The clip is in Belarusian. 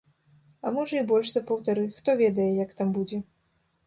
А можа, і больш за паўтары, хто ведае, як там будзе.